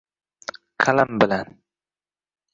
Qalam bilan